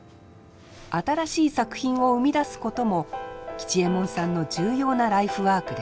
新しい作品を生み出すことも吉右衛門さんの重要なライフワークです。